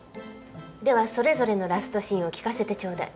ではそれぞれのラストシーンを聞かせてちょうだい。